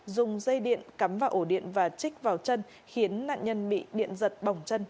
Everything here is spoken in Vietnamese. dùng dây điện cắm vào ổ điện và trích vào chân khiến nạn nhân bị điện giật bỏng chân